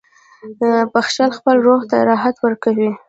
• بخښل خپل روح ته راحت ورکوي.